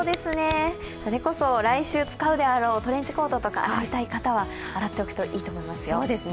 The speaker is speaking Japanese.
それこそ来週使うであろうトレンチコートとか洗いたい方は洗っておくといいと思いますよ。